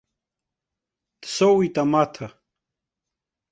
Дсоуит амаҭа.